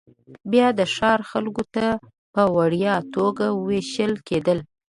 بیا د ښار خلکو ته په وړیا توګه وېشل کېدل